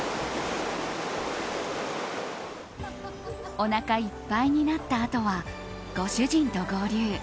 おなかいっぱいになったあとはご主人と合流。